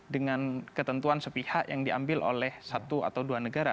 dengan ketentuan sepihak yang diambil oleh satu atau dua negara